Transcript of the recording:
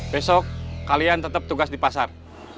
besok kalian tetap tugas di pasar